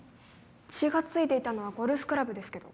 血が付いていたのはゴルフクラブですけど。